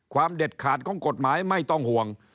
เด็ดขาดของกฎหมายไม่ต้องห่วง